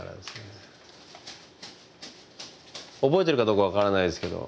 覚えているかどうか分からないですけど。